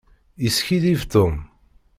Yeskiddib Tom.